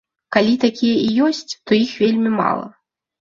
Калі такія і ёсць, то іх вельмі мала.